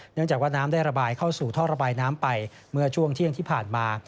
เนื่องจากว่าน้ำได้ระบายเข้าสู่ท่อระบายน้ำไปเมื่อช่วงเที่ยงที่ผ่านมา